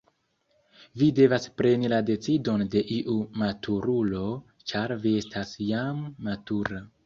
Vi devas preni la decidon de iu maturulo, ĉar vi estas jam matura.